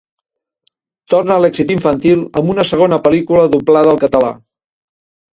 Torna l'èxit infantil amb una segona pel·lícula doblada al català.